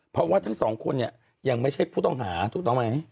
เพราะว่าทั้งสองคนเนี่ยยังไม่ใช่ผู้ต้องหาถูกต้องไหม